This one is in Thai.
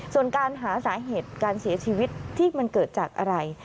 ส่วนการหาสาเหตุการเสียชีวิตที่มันเกิดจากอะไร